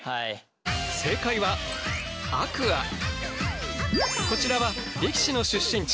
正解はこちらは力士の出身地